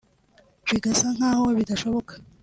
bigasa nk’aho bidashoboka